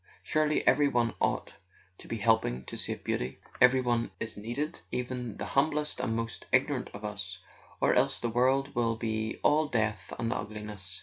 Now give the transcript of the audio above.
Surely every one ought to be helping to save Beauty; every one is needed, even the hum¬ blest and most ignorant of us, or else the world will be all death and ugliness.